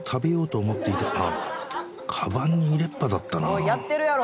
「おいやってるやろ！